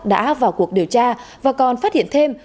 đã vào cuộc điều tra và còn phát hiện thêm